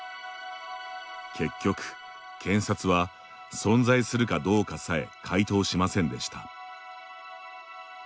結局、検察は存在するかどうかさえ回答しませんでした。